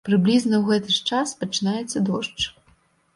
Прыблізна ў гэты ж час пачынаецца дождж.